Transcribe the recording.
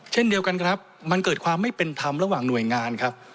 เช่นเดียวกันครับมันเกิดความไม่เป็นธรรมระหว่างหน่วยงานครับ